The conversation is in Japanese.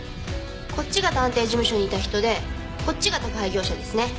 こっちが探偵事務所にいた人でこっちが宅配業者ですね。